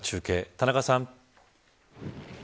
田中さん。